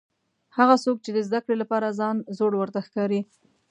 هغه څوک چې د زده کړې لپاره ځان زوړ ورته ښکاري.